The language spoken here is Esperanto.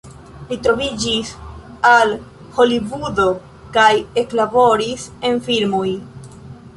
Li translokiĝis al Holivudo kaj eklaboris en filmoj.